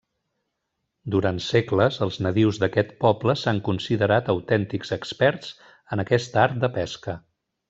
Durant segles, els nadius d'aquest poble s'han considerat autèntics experts en aquesta art de pesca.